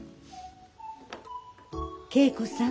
恵子さん